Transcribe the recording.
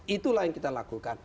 itulah yang kita lakukan